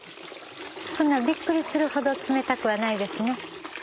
そんなビックリするほど冷たくはないですね。